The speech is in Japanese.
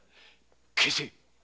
消せ。